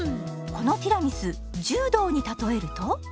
このティラミス柔道に例えると？